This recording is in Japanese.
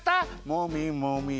もみもみ。